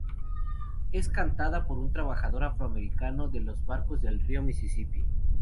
Es cantada por un trabajador afroamericano de los barcos del río Misisipi.